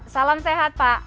salam sehat pak